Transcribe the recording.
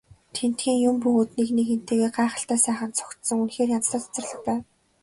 Тэндхийн юм бүгд нэг нэгэнтэйгээ гайхалтай сайхан зохицсон үнэхээр янзтай цэцэрлэг байв.